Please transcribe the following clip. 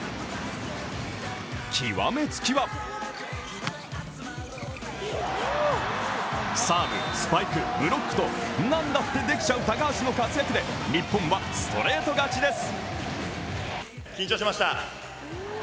極めつきはサーブ、スパイク、ブロックと何だってできちゃう高橋の活躍で、日本はストレート勝ちです。